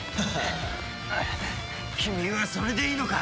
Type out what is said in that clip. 君はそれでいいのか！？